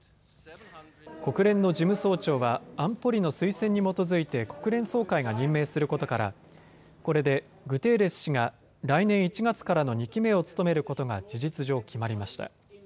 国連の事務総長は安保理の推薦に基づいて国連総会が任命することからこれでグテーレス氏が来年１月からの２期目を務めることが事実上決まりました。